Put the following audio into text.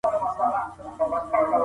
اګوستين د دولت او کليسا ترمنځ کرښه وښوده.